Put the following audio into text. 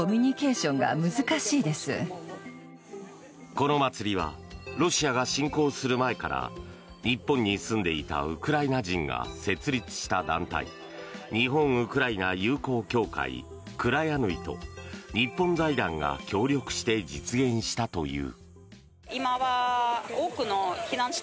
この祭りはロシアが侵攻する前から日本に住んでいたウクライナ人が設立した団体日本ウクライナ友好協会ＫＲＡＩＡＮＹと日本財団が協力して実現したという。